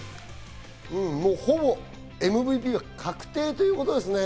もうほぼ、ＭＶＰは確定ということですね。